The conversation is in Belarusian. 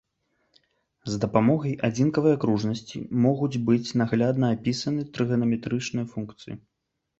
З дапамогай адзінкавай акружнасці могуць быць наглядна апісаны трыганаметрычныя функцыі.